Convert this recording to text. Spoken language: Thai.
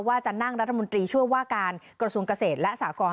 ว่าจะนั่งรัฐมนตรีช่วยว่าการกระทรวงเกษตรและสากร